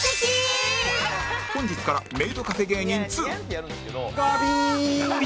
本日からメイドカフェ芸人２ガビーン！